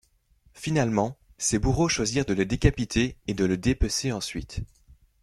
Finalement, ses bourreaux choisirent de le décapiter et de le dépecer ensuite.